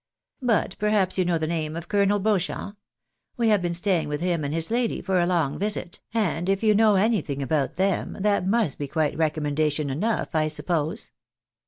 " But per haps you may know the name of Colonel Beauchamp ? We hav 2 been staying with him and his lady for a long visit, and if you know anything about them, that must be quite recommendation enough, I suppose."